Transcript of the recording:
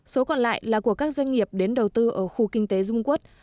số còn lại là của các doanh nghiệp đến đầu tư ở khu kinh tế dung quốc